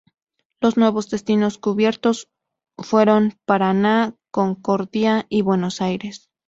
Los nuevos destinos cubiertos fueron Paraná, Concordia y Buenos Aires.